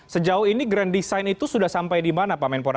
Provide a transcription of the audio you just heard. sejauh ini grand design itu sudah sampai di mana pak menpora